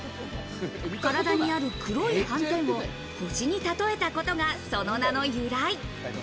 体にある黒い斑点を星にたとえたことが、その名の由来。